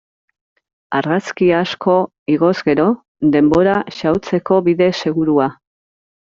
Argazki asko igoz gero, denbora xahutzeko bide segurua.